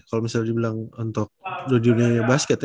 kalau misalnya dibilang untuk dunia basket ya